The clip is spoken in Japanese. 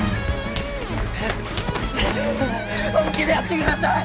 本気でやってください！